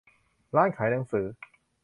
ร้านขายหนังสือ